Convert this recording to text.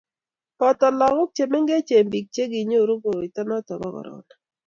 boto lagok che mengechen biik che kinyoru koroito noto bo korona